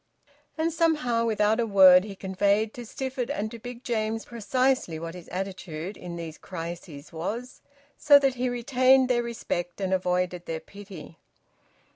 And somehow without a word he conveyed to Stifford and to Big James precisely what his attitude in these crises was, so that he retained their respect and avoided their pity.